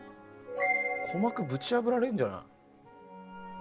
鼓膜ぶち破られるんじゃない？